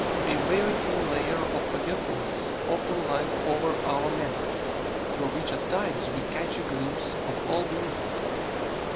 A very thin layer of forgetfulness often lies over our memory, through which at times we catch a glimpse of all beneath it.